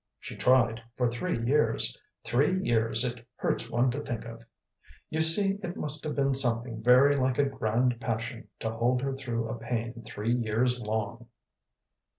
She tried, for three years three years it hurts one to think of! You see it must have been something very like a 'grand passion' to hold her through a pain three years long."